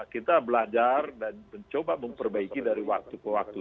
kita belajar dan mencoba memperbaiki dari waktu ke waktu